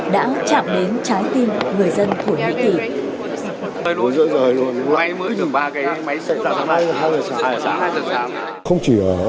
đã chạm đến trái tim người dân thổ nhĩ kỳ